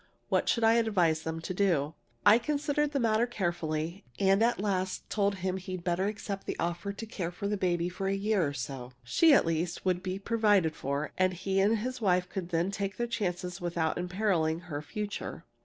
What should I advise them to do? "I considered the matter carefully, and at last told him he'd better accept the offer to care for the baby for a year or so. She, at least, would be provided for, and he and his wife could then take their chances without imperiling her future.